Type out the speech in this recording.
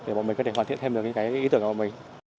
để bọn mình có thể hoàn thiện thêm được những ý tưởng của bọn mình